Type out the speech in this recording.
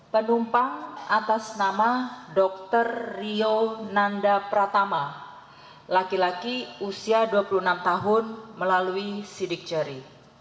penumpang atas nama dr rio nanda pratama laki laki usia dua puluh enam tahun melalui sidik jari